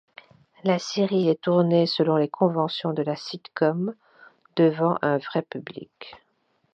La série est tournée selon les conventions de la sitcom devant un vrai public.